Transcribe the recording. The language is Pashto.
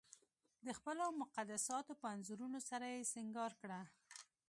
د خپلو مقدساتو په انځورونو سره یې سنګار کړه.